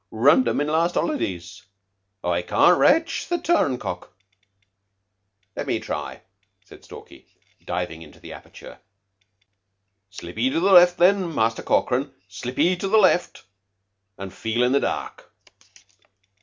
Runned 'em in last holidays. I can't rache the turncock." "Let me try," said Stalky, diving into the aperture. "Slip 'ee to the left, then, Muster Corkran. Slip 'ee to the left, an' feel in the dark."